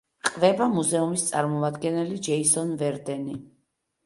ყვება მუზეუმის წარმომადგენელი, ჯეისონ ვერდენი.